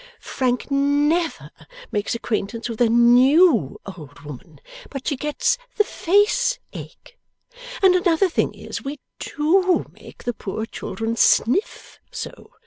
Frank NEVER makes acquaintance with a new old woman, but she gets the face ache. And another thing is, we DO make the poor children sniff so.